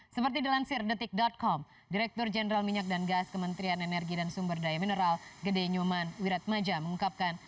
seperti dilansir detik com direktur jenderal minyak dan gas kementerian energi dan sumber daya mineral gede nyoman wiratmaja mengungkapkan